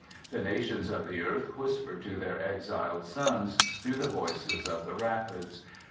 The nations of the earth whisper to their exiled sons through the voices of the rapids.